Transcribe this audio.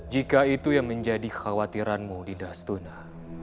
jika itu yang menjadi khawatiranmu dindas tuna